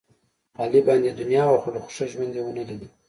علي باندې دنیا وخوړله، خو ښه ژوند یې ونه لیدا.